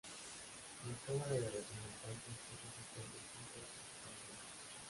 La Cámara de Representantes posee sesenta y cinco escaños.